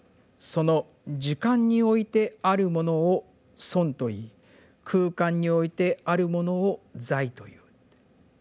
その時間においてあるものを存といい空間においてあるものを在という」。